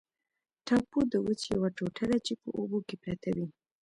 ټاپو د وچې یوه ټوټه ده چې په اوبو کې پرته وي.